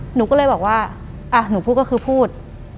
หนูก็เลยบอกว่าอ่ะหนูพูดก็คือพูด